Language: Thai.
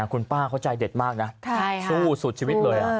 คุณป้าเขาใจเด็ดมากนะสู้สุดชีวิตเลย